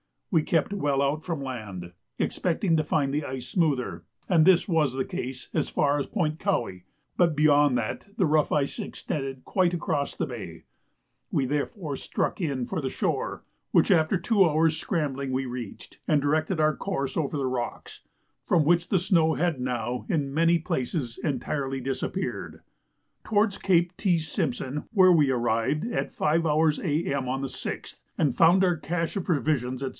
We kept well out from land, expecting to find the ice smoother; and this was the case as far as Point Cowie; but beyond that the rough ice extended quite across the bay; we therefore struck in for the shore, which after two hours' scrambling we reached, and directed our course over the rocks, from which the snow had now, in many places, entirely disappeared, towards Cape T. Simpson, where we arrived at 5h. A.M. on the 6th, and found our "cache" of provisions, &c.